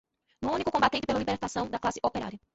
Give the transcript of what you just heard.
no único combatente pela libertação da classe operária